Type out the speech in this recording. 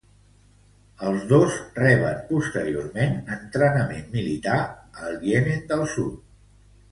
Els dos reben posteriorment entrenament militar al Iemen del Sud.